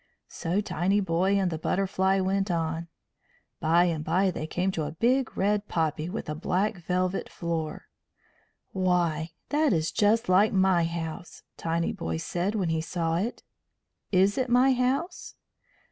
So Tinyboy and the Butterfly went on. By and by they came to a big red poppy with a black velvet floor. "Why, that is just like my house," Tinyboy said when he saw it. "Is it my house?"